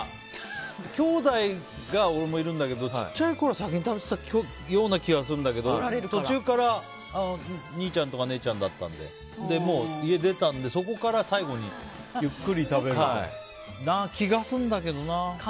きょうだいが俺もいるんだけどちっちゃいころ先に食べてたような気がするんだけど途中から兄ちゃんとか姉ちゃんだったのでもう家を出たのでそこから、最後にゆっくり食べるようになった気がするんだけど。